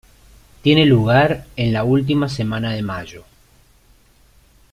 Tiene lugar en la última semana de mayo.